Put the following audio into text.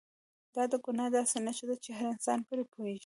دا د ګناه داسې نښه ده چې هر انسان پرې پوهېږي.